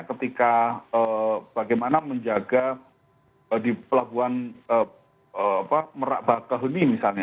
ketika bagaimana menjaga di pelabuhan merak bakahuni misalnya